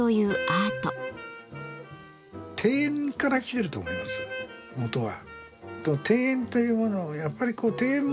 庭園から来てると思います元は。